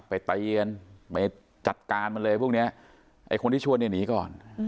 ไปตีกันไปจัดการมันเลยพวกเนี้ยไอ้คนที่ชวนเนี่ยหนีก่อน